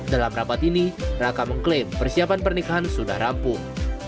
dalam rapat ini raka mengklaim persiapan pernikahan sudah rampung